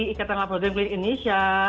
ikatan laboratorium klinik indonesia